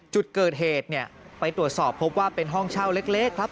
จุดเกิดเหตุเนี่ยไปตรวจสอบพบว่าเป็นห้องเช่าเล็กครับ